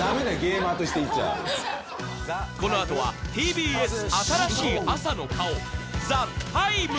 このあとはＴＢＳ新しい朝の顔「ＴＨＥＴＩＭＥ，」